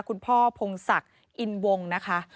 คุณพ่อพงศักดิ์อินวงนะคะ